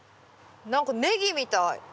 何かネギみたい。